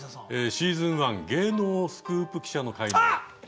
シーズン１「芸能スクープ記者」の回の名言。